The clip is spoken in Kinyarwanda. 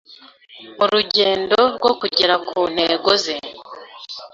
mu rugendo rwo kugera ku ntego ze